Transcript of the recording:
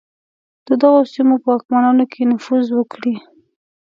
د دغو سیمو په واکمنانو کې نفوذ وکړي.